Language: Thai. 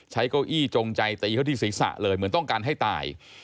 เก้าอี้จงใจตีเขาที่ศีรษะเลยเหมือนต้องการให้ตาย